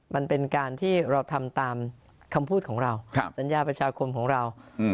มันเป็นการที่เราทำตามคำพูดของเราสัญญาประชาคมของเรา